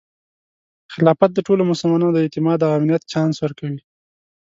خلافت د ټولو مسلمانانو د اعتماد او امنیت چانس ورکوي.